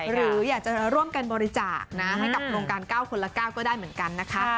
หรืออยากจะร่วมกันบริจาคนะให้กับโครงการ๙คนละ๙ก็ได้เหมือนกันนะคะ